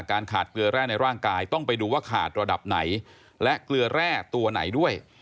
การขาดเกลือแร่ในร่างกายต้องไปดูว่าขาดระดับไหนและเกลือแร่ตัวไหนด้วย